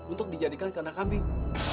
untuk dijadikan kanang kambing